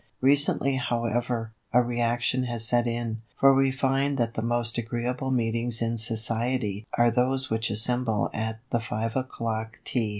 Recently however, a reaction has set in, for we find that the most agreeable meetings in "Society" are those which assemble at "the five o'clock Tea."